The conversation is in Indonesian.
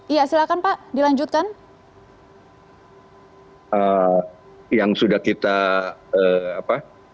ya silahkan pak dilanjutkan